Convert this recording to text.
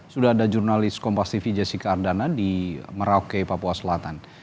sudah ada jurnalis kompas tv jessica ardana di merauke papua selatan